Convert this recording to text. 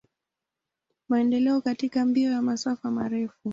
Maendeleo katika mbio ya masafa marefu.